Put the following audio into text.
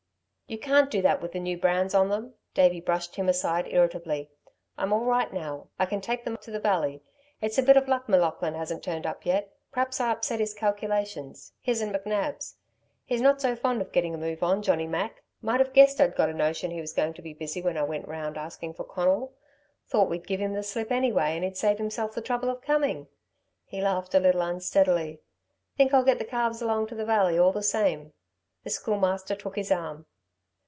"You can't do that with the new brands on them," Davey brushed him aside, irritably. "I'm all right now. I can take them to the Valley. It's a bit of luck M'Laughlin hasn't turned up yet. P'raps I upset his calculations his and McNab's. He's not so fond of gettin' a move on, Johnny Mac. Might've guessed I'd got a notion he was going to be busy when I went round asking for Conal. Thought we'd give him the slip anyway and he'd save himself the trouble of coming!" He laughed a little unsteadily. "Think I'll get the calves along to the Valley, all the same." The Schoolmaster took his arm.